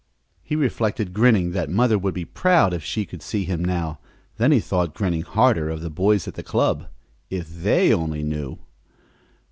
He reflected, grinning, that mother would be proud if she could see him now, then he thought, grinning harder, of the boys at the club. If they only knew!